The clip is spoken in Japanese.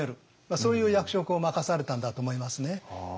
そういう役職を任されたんだと思いますね。